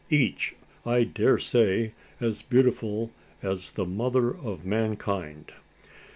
each, I daresay, as beautiful as the mother of mankind!"